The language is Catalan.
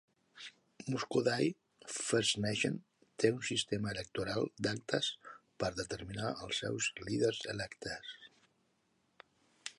Muskoday First Nation té un sistema electoral d'actes per determinar els seus líders electes.